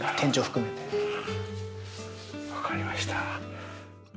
わかりました。